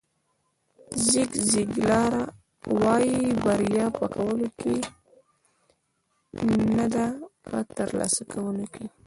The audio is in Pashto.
زیګ زیګلار وایي بریا په کولو کې ده نه په ترلاسه کولو.